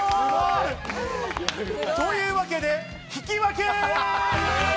というわけで引き分け！